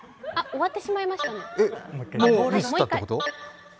終わってしまいましたね。